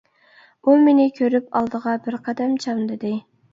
ئۇ مېنى كۆرۈپ ئالدىغا بىر قەدەم چامدىدى.